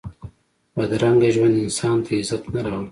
بدرنګه ژوند انسان ته عزت نه راولي